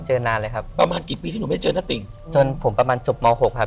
จนผมประมาณจบม๖ครับ